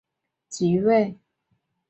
死后其子摩醯逻矩罗即位。